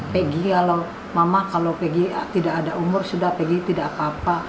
pagi kalau mama kalau pergi tidak ada umur sudah pergi tidak apa apa